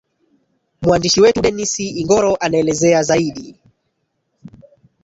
mwandishi wetu dennis ingoro anaelezea zaidi